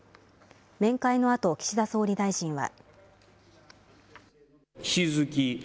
面会のあと、岸田総理大臣は。